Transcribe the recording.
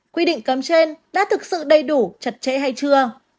quy định cấm trên đã thực sự đầy đủ chặt chẽ hay chưa